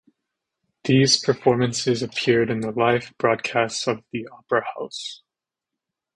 These performances appeared in the live broadcasts of the opera house.